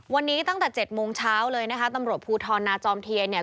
วันนี้ตั้งแต่เจ็ดโมงเช้าเลยนะคะตำรวจภูทรนาจอมเทียนเนี่ย